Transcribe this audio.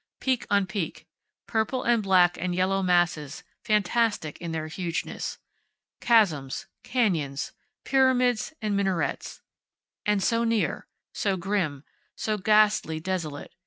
Peak on peak. Purple and black and yellow masses, fantastic in their hugeness. Chasms. Canyons. Pyramids and minarets. And so near. So grim. So ghastly desolate.